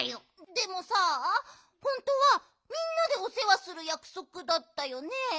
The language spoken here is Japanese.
でもさほんとうはみんなでおせわするやくそくだったよね？